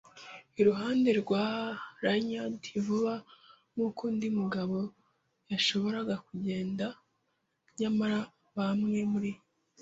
iruhande rwa lanyard, vuba nkuko undi mugabo yashoboraga kugenda. Nyamara bamwe muri